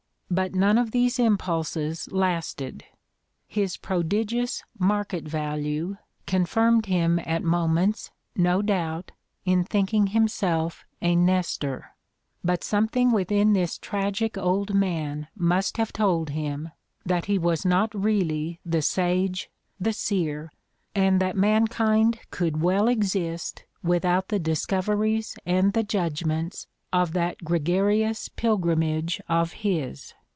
But none of these impulses lasted. His prodigious "market value" confirmed him at moments, no doubt, in thinking himself ^ Nestor ; but something within this tragic old man must have told him that he was not really the sage, the seer, and that mankind could well exist without the discoveries and the judgments of that gregarious pilgrimage of his.